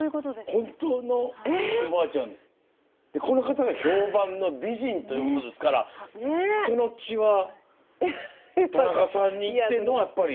この方が評判の美人ということですからその血は田中さんに行ってのやっぱり。